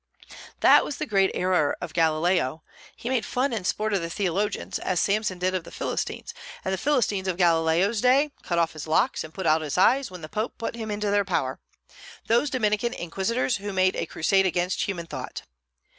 That was the great error of Galileo. He made fun and sport of the theologians, as Samson did of the Philistines; and the Philistines of Galileo's day cut off his locks and put out his eyes when the Pope put him into their power, those Dominican inquisitors who made a crusade against human thought.